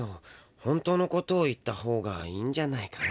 本当のことを言ったほうがいいんじゃないかな。